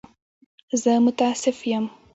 زه متأسف یم.